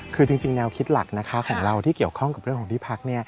คือจริงแนวคิดหลักนะคะของเราที่เกี่ยวข้องกับเรื่องของที่พัก